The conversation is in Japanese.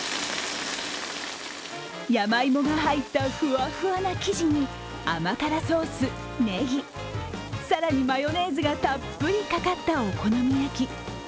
山芋が入ったふわふわな生地に甘辛ソース、ねぎ、更に、マヨネーズがたっぷりかかったお好み焼き。